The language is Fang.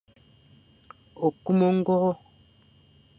Okum ongoro.